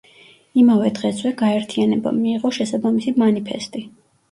იმავე დღესვე, გაერთიანებამ მიიღო შესაბამისი მანიფესტი.